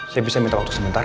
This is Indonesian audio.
saya bisa minta waktu sebentar